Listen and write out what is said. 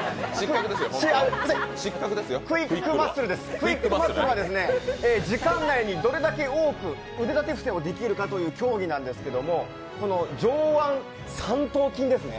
ＱＵＩＣＫＭＵＳＣＬＥはですね、時間内にどれだけ多く腕立て伏せができるかということなんですけど、上腕三頭筋ですね。